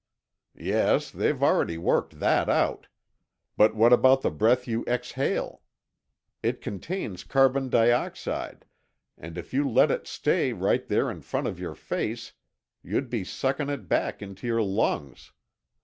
"Yes, they've already worked that out. But what about the breath you exhale? It contains carbon dioxide, and if you let it stay right there in front of your face you'd be sucking it back into your lungs.